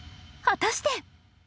果たして。